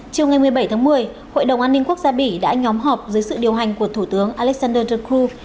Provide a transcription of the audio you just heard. chiều ngày một mươi bảy tháng một mươi hội đồng an ninh quốc gia bỉ đã nhóm họp dưới sự điều hành của thủ tướng alexander dukru